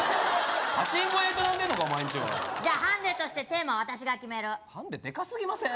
パチンコ屋営んでんのかお前んちはじゃあハンデとしてテーマは私が決めるハンデデカすぎません？